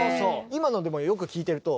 今のでもよく聴いてると。